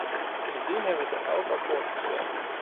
Sindsdien hebben ze elk akkoord gesteund.